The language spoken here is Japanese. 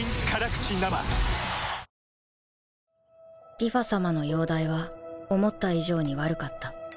梨花さまの容体は思った以上に悪かった